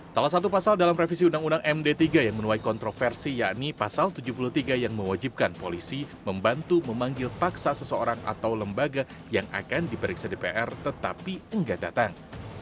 salah satu pasal dalam revisi undang undang md tiga yang menuai kontroversi yakni pasal tujuh puluh tiga yang mewajibkan polisi membantu memanggil paksa seseorang atau lembaga yang akan diperiksa dpr tetapi enggak datang